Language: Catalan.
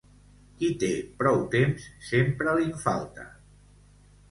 Qui té prou temps sempre li'n falta.